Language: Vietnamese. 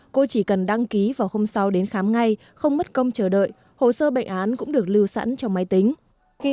cô chỉ cần đăng ký vào hôm sau đến khám ngay không mất công chờ đợi hồ sơ bệnh án cũng được lưu sẵn trong máy tính